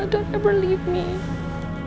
jangan pernah meninggalkan saya